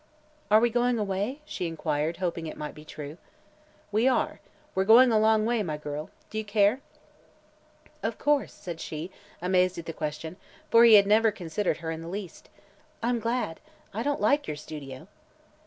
"Are we going away?" she inquired, hoping it might be true. "We are. We're going a long way, my girl. Do you care?" "Of course," said she, amazed at the question, for he had never considered her in the least. "I'm glad. I don't like your studio."